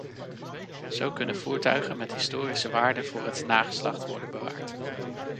Zo kunnen voertuigen met historische waarde voor het nageslacht worden bewaard.